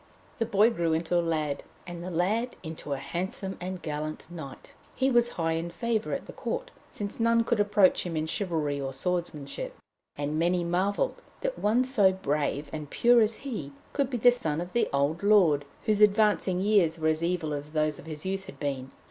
The boy grew into a lad, and the lad into a handsome and gallant knight. He was high in favour at court, since none could approach him in chivalry or swordmanship, and many marvelled that one so brave and pure as he could be the son of the old lord, whose advancing years were as evil as those of his youth had been.